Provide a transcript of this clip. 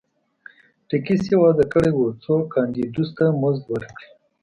ټکس یې وضعه کړی و څو کاندیدوس ته مزد ورکړي